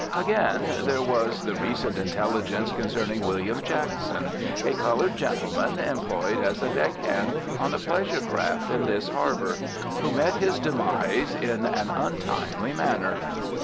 Again, there was the recent intelligence concerning William Jackson, "a coloured gentleman employed as a deck hand on a pleasure craft in this harbour," who "met his demise" in an untimely manner.